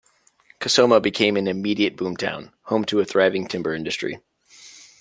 Kosoma became an immediate boomtown, home to a thriving timber industry.